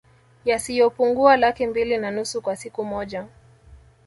Yasiyopungua Laki mbili na nusu kwa siku moja